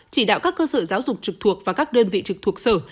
chỉ đạo các cơ sở giáo dục trực thuộc và các đơn vị trực thuộc sở